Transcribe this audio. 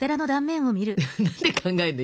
何で考えるの？